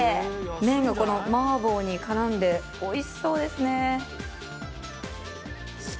麺がこの麻婆に絡んで美味しそうですね。